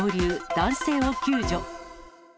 男性を救助。